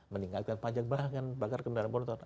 meningkatkan pajak bahan bakar kendaraan motor